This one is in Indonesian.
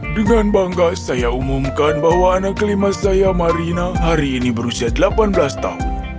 dengan bangga saya umumkan bahwa anak kelima saya marina hari ini berusia delapan belas tahun